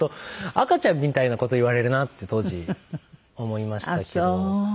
赤ちゃんみたいな事言われるなって当時思いましたけど。